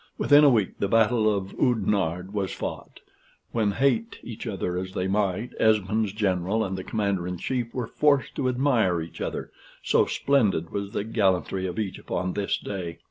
Within a week the battle of Oudenarde was fought, when, hate each other as they might, Esmond's general and the Commander in Chief were forced to admire each other, so splendid was the gallantry of each upon this day.